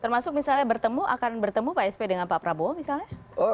termasuk misalnya bertemu akan bertemu pak sp dengan pak prabowo misalnya